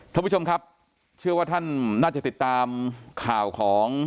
ท่านผู้ชมครับเชื่อว่าท่านน่าจะติดตามข่าวของ